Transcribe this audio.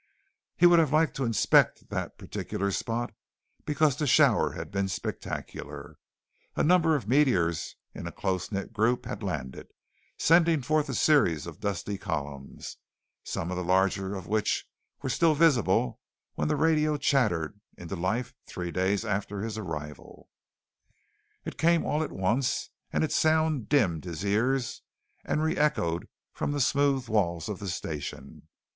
He would have liked to inspect that particular spot because the shower had been spectacular. A number of meteors in a close knit group had landed, sending forth a series of dusty columns some of the larger of which were still visible when the radio chattered into life three days after his arrival. It came all at once and its sound dinned his ears and re echoed from the smooth walls of the Station.